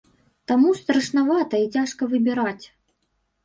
Таму страшнавата і цяжка выбіраць.